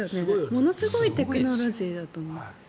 ものすごいテクノロジーだと思う。